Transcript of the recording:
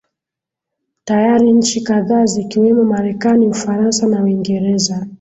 tayari nchi kadhaa zikiwemo marekani ufaransa na uingereza